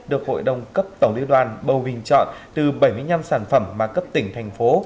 được hội đồng cấp tổng liên đoàn bầu bình chọn từ bảy mươi năm sản phẩm mà cấp tỉnh thành phố